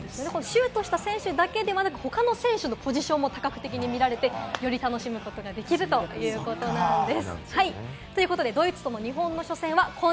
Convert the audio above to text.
シュートした選手だけでなく他の選手のポジションも多角的に見られて、より楽しむことができるということです。